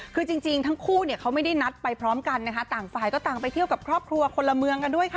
คือจริงทั้งคู่เนี่ยเขาไม่ได้นัดไปพร้อมกันนะคะต่างฝ่ายก็ต่างไปเที่ยวกับครอบครัวคนละเมืองกันด้วยค่ะ